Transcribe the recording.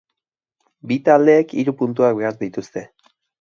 Bi taldeek hiru puntuak behar dituzte.